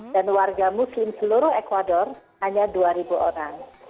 dan warga muslim seluruh ecuador hanya dua ribu orang